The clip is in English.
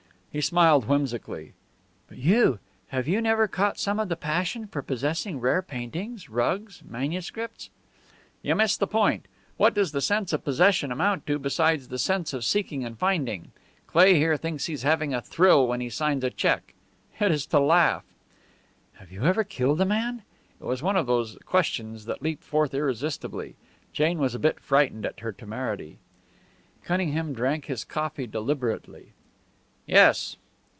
He smiled whimsically. "But you, have you never caught some of the passion for possessing rare paintings, rugs, manuscripts?" "You miss the point. What does the sense of possession amount to beside the sense of seeking and finding? Cleigh here thinks he is having a thrill when he signs a check. It is to laugh!" "Have you ever killed a man?" It was one of those questions that leap forth irresistibly. Jane was a bit frightened at her temerity. Cunningham drank his coffee deliberately. "Yes."